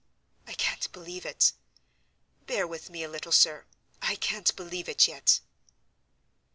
I can't believe it. Bear with me a little, sir, I can't believe it yet."